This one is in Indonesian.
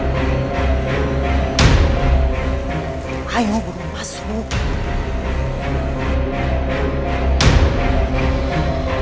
saya tidak pocket terhitung